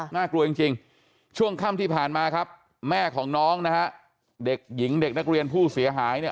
น่ากลัวจริงช่วงค่ำที่ผ่านมาครับแม่ของน้องนะฮะเด็กหญิงเด็กนักเรียนผู้เสียหายเนี่ย